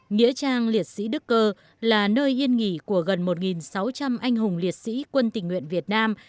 nghĩa trang liệt sĩ đức cơ là nơi yên nghỉ của gần một sáu trăm linh anh hùng liệt sĩ quân tình nguyện việt nam